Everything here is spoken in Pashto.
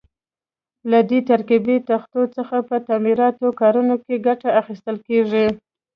له دې ترکیبي تختو څخه په تعمیراتي کارونو کې ګټه اخیستل کېږي.